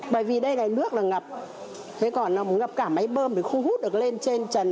bởi vì đây là nước là ngập thế còn ngập cả máy bơm thì không hút được lên trên trần